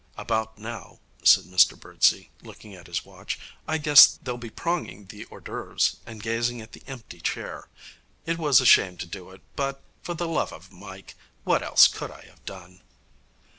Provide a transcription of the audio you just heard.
About now,' said Mr Birdsey, looking at his watch, 'I guess they'll be pronging the hors d'oeuvres and gazing at the empty chair. It was a shame to do it, but, for the love of Mike, what else could I have done?'